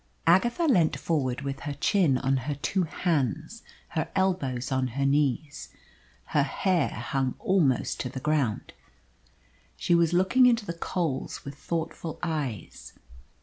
Agatha leant forward with her chin on her two hands, her elbows on her knees. Her hair hung almost to the ground. She was looking into the coals with thoughtful eyes.